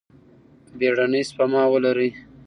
بیړنۍ سپما ولرئ.